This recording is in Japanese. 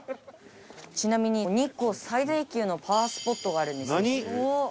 ちなみに日光最大級のパワースポットがあるんですよ。